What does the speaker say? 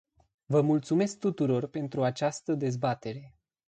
Vă mulțumesc tuturor pentru această dezbatere.